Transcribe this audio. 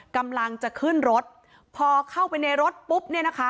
กำลังจะขึ้นรถพอเข้าไปในรถปุ๊บเนี่ยนะคะ